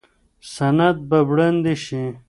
سند به وړاندې شي.